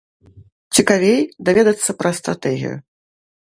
Цікавей даведацца пра стратэгію.